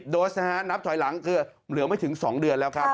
โดสนะฮะนับถอยหลังคือเหลือไม่ถึง๒เดือนแล้วครับ